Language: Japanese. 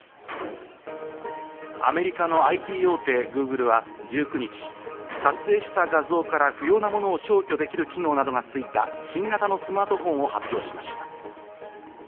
アメリカのＩＴ大手Ｇｏｏｇｌｅは１９日、撮影した画像から不要なものを消去できる機能などがついた新型のスマートフォンを発表しました。